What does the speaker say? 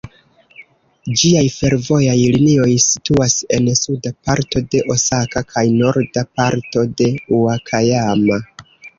Ĝiaj fervojaj linioj situas en suda parto de Osaka kaj norda parto de Ŭakajama.